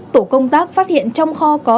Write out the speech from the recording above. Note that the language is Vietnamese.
tổ công tác phát hiện trong kho có